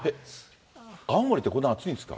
青森って、こんな暑いんですか。